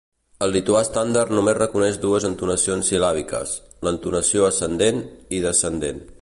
El lituà estàndard només reconeix dues entonacions sil·làbiques: l'entonació ascendent i descendent.